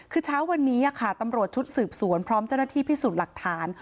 คือเช้าวันนี้ตำรวจชุดสืบสวนพร้อมเจ้าหน้าที่พิสูจน์หลักฐาน